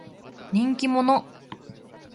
人気者。